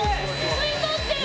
吸い取ってる！